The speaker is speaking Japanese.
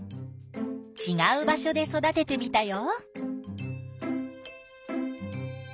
ちがう場所で育ててみたよ。